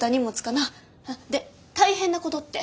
で大変なことって？